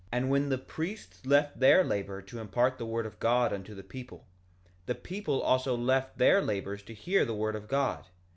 1:26 And when the priests left their labor to impart the word of God unto the people, the people also left their labors to hear the word of God.